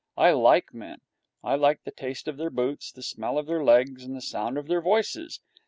I like men. I like the taste of their boots, the smell of their legs, and the sound of their voices.